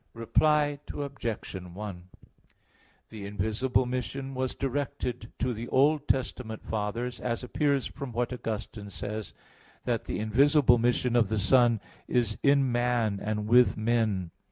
Reply Obj. 1: The invisible mission was directed to the Old Testament Fathers, as appears from what Augustine says (De Trin. iv, 20), that the invisible mission of the Son "is in man and with men.